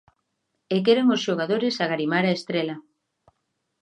E queren os xogadores agarimar a estrela.